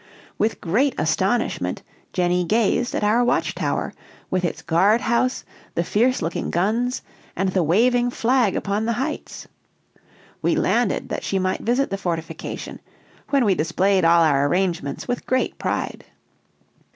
With great astonishment Jenny gazed at our watch tower, with its guard house, the fierce looking guns, and the waving flag upon the heights. We landed, that she might visit the fortification; when we displayed all our arrangements with great pride.